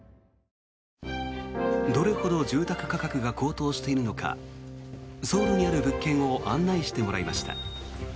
どれほど住宅価格が高騰しているのかソウルにある物件を案内してもらいました。